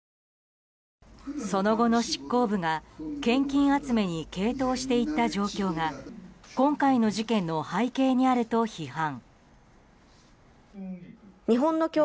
その後の執行部が献金集めに傾倒していった状況が今回の事件の背景にあると批判。